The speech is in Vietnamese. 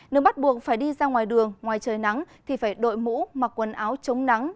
nếu bắt buộc phải đi ra ngoài đường ngoài trời nắng thì phải đội mũ mặc quần áo chống nắng